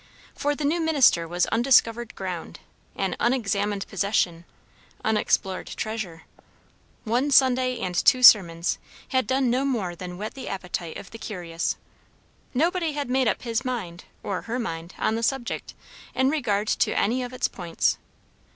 For the new minister was undiscovered ground; an unexamined possession; unexplored treasure. One Sunday and two sermons had done no more than whet the appetite of the curious. Nobody had made up his mind, or her mind, on the subject, in regard to any of its points.